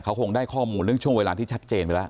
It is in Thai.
เขาคงได้ข้อมูลเรื่องช่วงเวลาที่ชัดเจนไปแล้ว